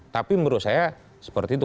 tapi menurut saya seperti itu